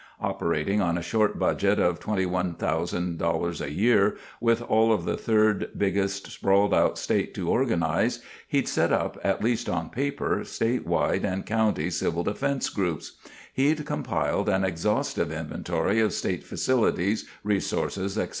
Operating on a short budget of $21,000 a year, with all of the third biggest, sprawled out state to organize, he'd set up, at least on paper, state wide and county CD groups. He'd compiled an exhaustive inventory of state facilities, resources, etc.